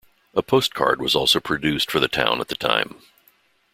A postcard was also produced for the town at the time.